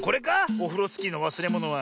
オフロスキーのわすれものは。